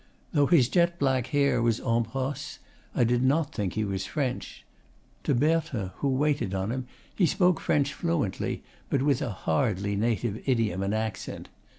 Though his jet black hair was en brosse, I did not think he was French. To Berthe, who waited on him, he spoke French fluently, but with a hardly native idiom and accent.